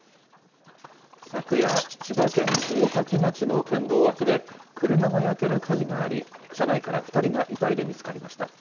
昨夜、千葉県大多喜町の県道脇で、車が焼ける火事があり、車内から２人が遺体で見つかりました。